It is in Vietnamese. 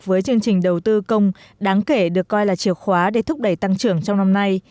với chương trình đầu tư công đáng kể được coi là chiều khóa để thúc đẩy tăng trưởng trong năm nay